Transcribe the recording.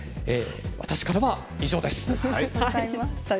私からは以上です。